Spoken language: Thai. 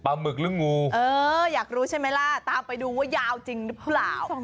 หมึกหรืองูเอออยากรู้ใช่ไหมล่ะตามไปดูว่ายาวจริงหรือเปล่า